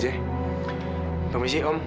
terima kasih om